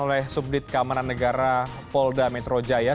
oleh subdit keamanan negara polda metro jaya